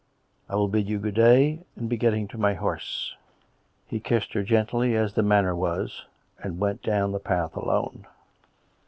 " I will bid you good day and be getting to my horse." He kissed her gently, as the manner was, and went down the path alone.